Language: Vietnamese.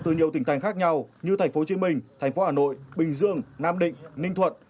từ nhiều tỉnh thành khác nhau như thành phố hồ chí minh thành phố hà nội bình dương nam định ninh thuận